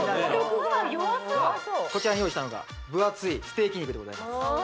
こちらに用意したのが分厚いステーキ肉でございます